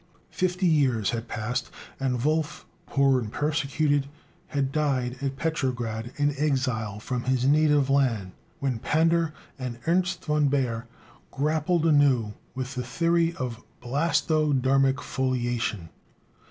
Fifty years had passed, and Wolff, poor and persecuted, had died at Petrograd, an exile from his native land, when Pander and Ernest von Baer grappled anew with the theory of "blastodermic foliation."